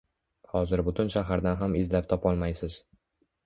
Hozir butun shahardan ham izlab topolmaysiz